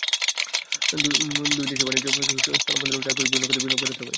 দুই দেশের বাণিজ্য সহজীকরণে স্থলবন্দর, রেলপথসহ বিভিন্ন খাতে বিনিয়োগ বাড়াতে হবে।